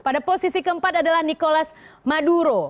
pada posisi keempat adalah nikolas maduro